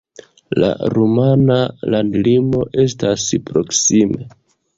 La rumana landlimo estas proksime.